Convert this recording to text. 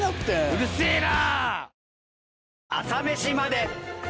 うるせえな！